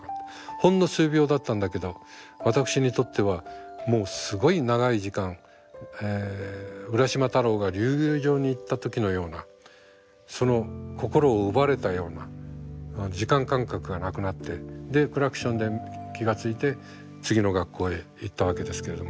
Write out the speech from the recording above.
ほんの数秒だったんだけど私にとってはもうすごい長い時間浦島太郎が竜宮城に行った時のようなその心を奪われたような時間感覚がなくなってでクラクションで気が付いて次の学校へ行ったわけですけれども。